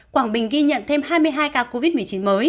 quảng bình ghi nhận thêm hai mươi hai ca covid một mươi chín mới